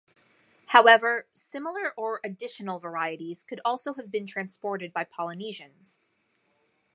However, similar or additional varieties could also have been transported by Polynesians.